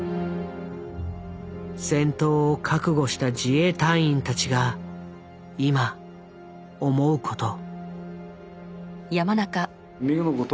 戦闘を覚悟した自衛隊員たちが今思うこと。